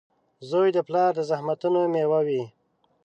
• زوی د پلار د زحمتونو مېوه وي.